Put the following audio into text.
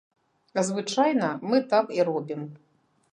Звычайна мы так і робім.